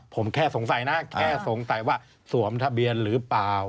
ผมแค่สงสัยนะแค่สงสัยว่าสวมทะเบียนหรือเปล่า